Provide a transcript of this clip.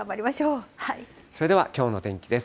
それではきょうの天気です。